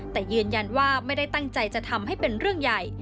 แต่ยืนยันว่าไม่ได้ตั้งใจจะทำให้เป็นเรื่องใหญ่